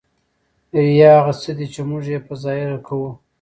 ریا هغه څه دي ، چي موږ ئې په ظاهره کوو.